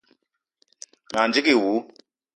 Ma ndigui wou.